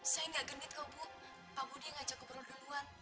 saya nggak genit kok bu pak budi ngajak gubernur duluan